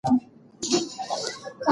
که چیرې انسان غواړي نو هر څه زده کولی شي.